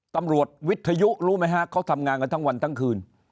วิทยุรู้ไหมฮะเขาทำงานกันทั้งวันทั้งคืน